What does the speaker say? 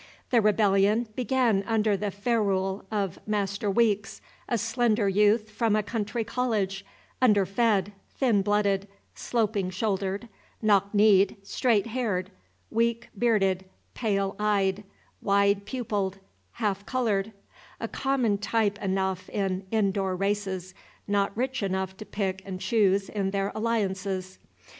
The rebellion began under the ferule of Master Weeks, a slender youth from a country college, underfed, thin blooded, sloping shouldered, knock kneed, straight haired, weak bearded, pale eyed, wide pupilled, half colored; a common type enough in in door races, not rich enough to pick and choose in their alliances.